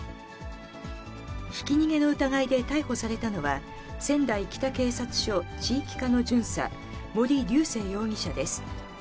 ひき逃げの疑いで逮捕されたのは、仙台北警察署地域課の巡査、森瑠世容疑者です。